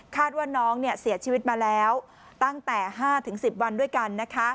ว่าน้องเสียชีวิตมาแล้วตั้งแต่๕๑๐วันด้วยกัน